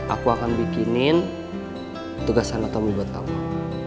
aku akan bikinin tugas anatomi buat kamu